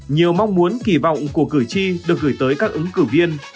nhiều mong muốn kỳ vọng của cử tri được gửi tới các ứng cử viên